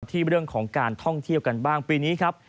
ที่เรื่องของการท่องเที่ยวกันบ้างปีนี้ครับ